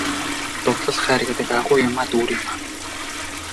Дурлал хайр гэдэг агуу юм даа Дүүриймаа минь!